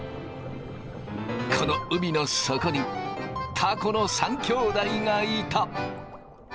この海の底にたこの３きょうだいがいた。